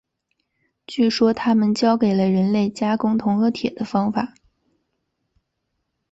据说他们教给了人类加工铜和铁的方法。